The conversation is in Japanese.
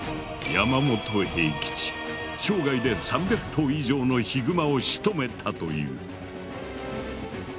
生涯で３００頭以上のヒグマをしとめたという。